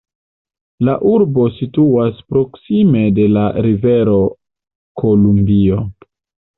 La urbo situas proksime de la Rivero Kolumbio.